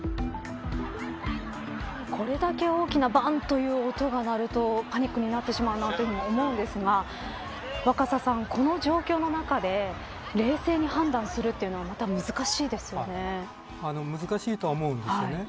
これだけ大きなバンという音が鳴るとパニックになってしまうなと思うんですが若狭さん、この状況の中で冷静に判断するというのは難しいとは思うんです。